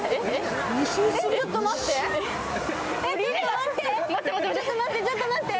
待って、待って、ちょっと待って！